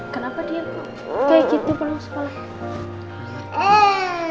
kenapa dia kok kayak gitu pulang sekolah